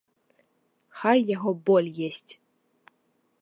Хай яго боль есць!